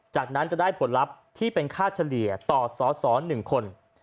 จากนั้นจะได้ผลลัพธ์ที่เป็นค่าเฉลี่ยต่อสส๑คน